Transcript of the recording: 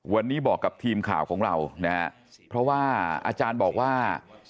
วันนี้บอกกับทีมข่าวของเรานะฮะเพราะว่าอาจารย์บอกว่า